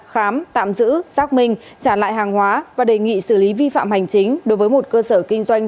khám tạm giữ xác minh trả lại hàng hóa và đề nghị xử lý vi phạm hành chính đối với một cơ sở kinh doanh